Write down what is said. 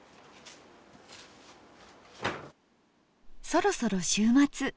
そろそろ週末。